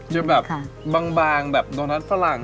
จะแบบบางแบบโดนัทฝรั่ง